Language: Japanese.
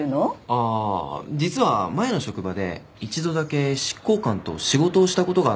ああ実は前の職場で一度だけ執行官と仕事をした事があったんですよ。